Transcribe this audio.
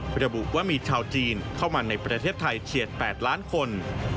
ระบุว่ามีชาวจีนเข้ามาในประเทศไทยเฉียด๘ล้านคน